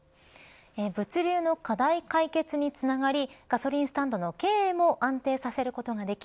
物流の課題解決につながりガソリンスタンドの経営も安定させることができ